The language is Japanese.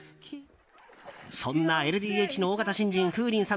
そんなＬＤＨの大型新人ふうりん。